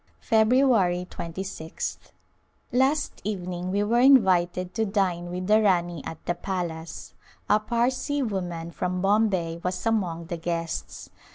February 26th. Last evening we were invited to dine with the Rani at the palace ; a Parsee woman from Bombay was among the guests.